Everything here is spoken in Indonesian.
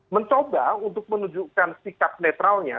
mencoba untuk menunjukkan sikap netralnya